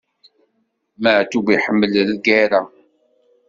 Maɛṭub iḥemmel lgerra.